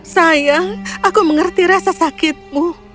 sayang aku mengerti rasa sakitmu